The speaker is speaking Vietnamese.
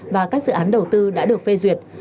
và các dự án đầu tư đã được phê duyệt